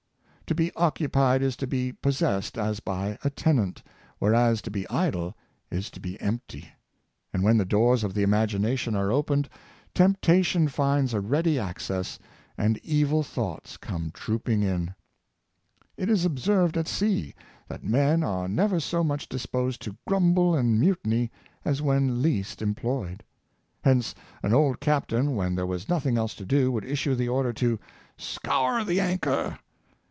To be occupied is to be pos sessed as by a tenant, whereas to be idle is to be empty; and when the doors of the imagination are opened, temptation finds a ready access, and evil thoughts come trooping in. It is observed at sea, that men are never so much disposed to grumble and mutiny as when least employed. Hence, an old captain, when there was nothing else to do, would issue the order to " scour the anchor!